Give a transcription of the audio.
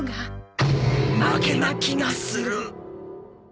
負けな気がする！